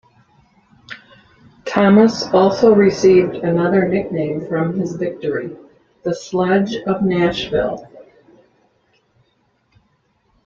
Thomas also received another nickname from his victory: "The Sledge of Nashville".